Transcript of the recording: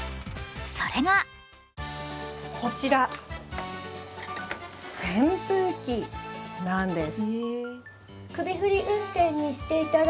それがこちら、扇風機なんです。